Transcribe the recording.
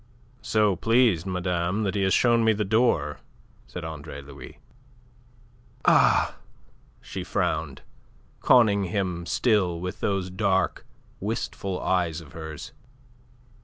"So pleased, madame, that he has shown me the door," said Andre Louis. "Ah!" She frowned, conning him still with those dark, wistful eyes of hers.